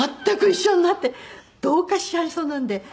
全く一緒になって同化しちゃいそうなんで。